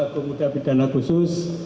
kemudian pemuda bidana khusus